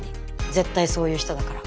絶対そういう人だから。